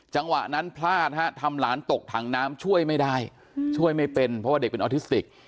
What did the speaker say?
จังหวะนั้นพลาดทำหลานตกถังน้ำช่วยไม่ได้เพราะว่าเด็กเป็นออทิสติก